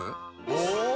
お！